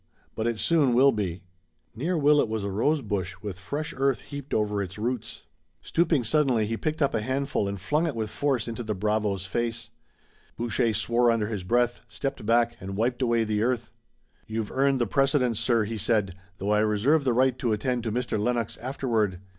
"But it soon will be." Near Willet was a rose bush with fresh earth heaped over its roots. Stooping suddenly he picked up a handful and flung it with force into the bravo's face. Boucher swore under his breath, stepped back, and wiped away the earth. "You've earned the precedence, sir," he said, "though I reserve the right to attend to Mr. Lennox afterward.